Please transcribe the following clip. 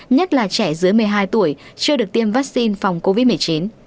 nhất là trẻ dưới một mươi hai tuổi chưa được tiêm vaccine phòng covid một mươi chín